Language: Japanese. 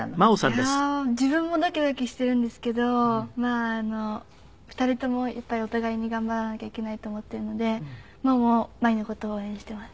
いやー自分もドキドキしているんですけどまあ２人ともやっぱりお互いに頑張らなきゃいけないと思っているので真央も舞の事を応援しています。